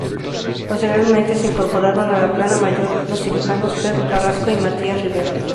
Posteriormente se incorporaron a la Plana Mayor los cirujanos Pedro Carrasco y Matías Rivero.